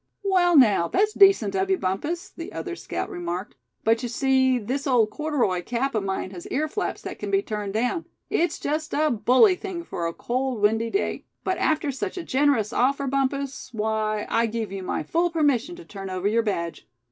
"Well, now, that's decent of you, Bumpus," the other scout remarked; "but you see, this old corduroy cap of mine has earflaps that can be turned down. It's just a bully thing for a cold, windy day. But after such a generous offer, Bumpus, why, I give you my full permission to turn over your badge.